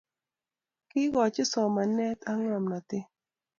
Kiikoch somane ak ngomnotet